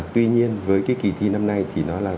tuy nhiên với cái kỳ thi năm nay thì nó là